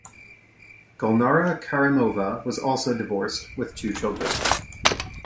Gulnara Karimova was also divorced with two children.